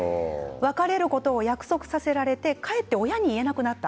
別れることを約束させられてかえって言えなくなった。